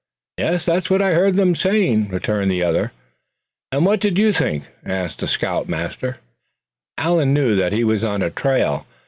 "Yes, that's what I heard them saying," returned the other. "And what do you think?" asked the scout master. Allan knew that he was on trial.